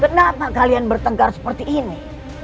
kenapa kalian bertengkar seperti ini